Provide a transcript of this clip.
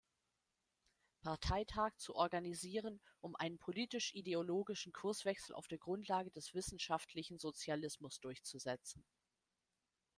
Parteitag zu organisieren, um einen politisch-ideologischen Kurswechsel auf der Grundlage des wissenschaftlichen Sozialismus durchzusetzen.